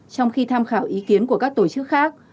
trong khi tham khảo ý kiến của các tổ chức khác